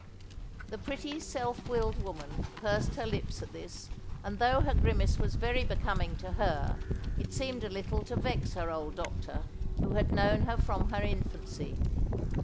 The pretty self willed woman pursed her lips at this and though her grimace was very becoming to her it seemed a little to vex her old doctor who had known her from her infancy.